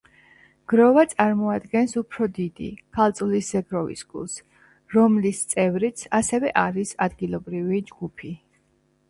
გროვა წარმოადგენს უფრო დიდი, ქალწულის ზეგროვის გულს, რომლის წევრიც ასევე არის ადგილობრივი ჯგუფი.